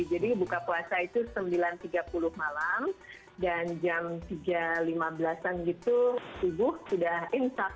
jadi buka puasa itu sembilan tiga puluh malam dan jam tiga lima belas an gitu subuh sudah insaf